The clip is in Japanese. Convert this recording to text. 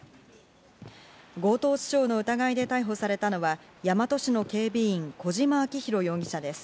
強盗致傷の疑いで逮捕されたのは大和市の警備員、小島顕弘容疑者です。